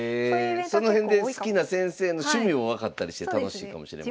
その辺で好きな先生の趣味も分かったりして楽しいかもしれません。